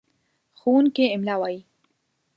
ښوونکی املا وايي.